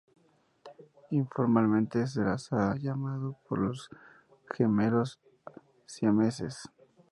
Informalmente se las ha llamado los "gemelos siameses".